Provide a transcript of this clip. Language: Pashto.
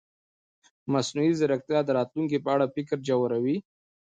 مصنوعي ځیرکتیا د راتلونکي په اړه فکر ژوروي.